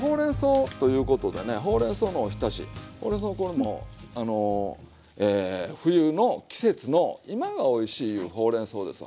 ほうれんそうこれもう冬の季節の今がおいしいいうほうれんそうですわ。